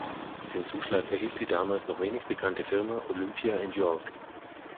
Den Zuschlag erhielt die damals noch wenig bekannte Firma Olympia and York.